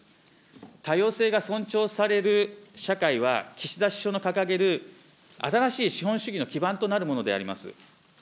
多様性が尊重される社会は、岸田首相の掲げる新しい資本主義の基盤となるものであります。